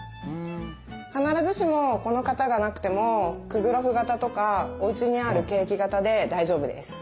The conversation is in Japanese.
必ずしもこの型がなくてもクグロフ型とかおうちにあるケーキ型で大丈夫です。